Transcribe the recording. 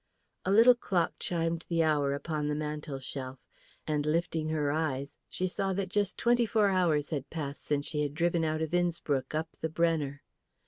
A little clock chimed the hour upon the mantel shelf, and lifting her eyes she saw that just twenty four hours had passed since she had driven out of Innspruck up the Brenner.